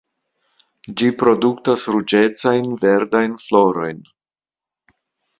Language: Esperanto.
Ĝi produktas ruĝecajn verdajn florojn.